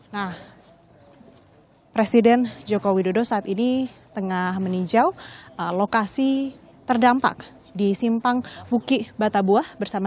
nah presiden joko widodo saat ini tengah meninjau lokasi terdampak di simpang huki batabuah bersama